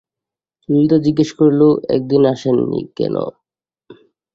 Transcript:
ললিতা জিজ্ঞাসা করিল, এ কদিন আসেন নি কেন?